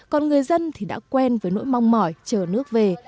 còn người dân thì đã quen với nỗi mong mỏi chờ nước về